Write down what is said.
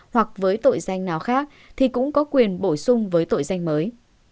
hoặc với tội danh nào khác thì cũng có quyền bổ sung với tội danh mới